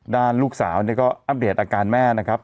ด้านลูกสาวก็อัปเดตอาการแม่นะครับ